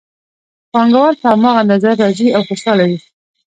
پانګوال په هماغه اندازه راضي او خوشحاله وي